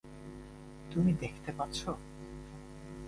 তুমি দেখতে পাচ্ছ?